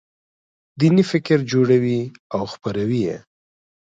دیني فکر جوړوي او خپروي یې.